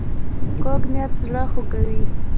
کوږ نیت زړه خوږوي